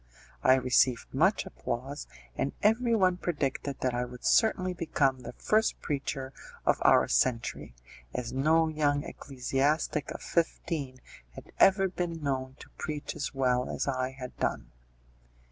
I received much applause, and every one predicted that I would certainly become the first preacher of our century, as no young ecclesiastic of fifteen had ever been known to preach as well as I had done.